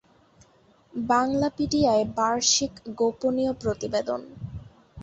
বাংলাপিডিয়ায় বার্ষিক গোপনীয় প্রতিবেদন